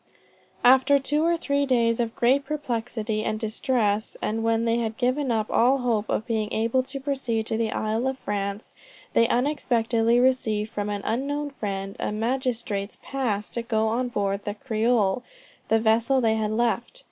After two or three days of great perplexity and distress, and when they had given up all hope of being able to proceed to the Isle of France, they unexpectedly received from an unknown friend a magistrate's pass to go on board the Creole, the vessel they had left.